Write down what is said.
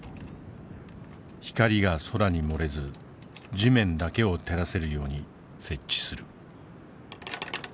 光が空に漏れず地面だけを照らせるように設置する。